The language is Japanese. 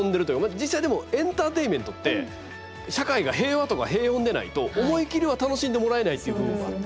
実際でもエンターテインメントって社会が平和とか平穏でないと思い切りは楽しんでもらえないっていう部分もあって。